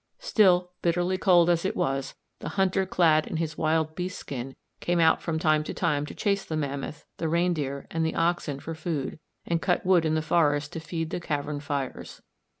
Still, bitterly cold as it was, the hunter clad in his wild beast skin came out from time to time to chase the mammoth, the reindeer, and the oxen for food, and cut wood in the forest to feed the cavern fires.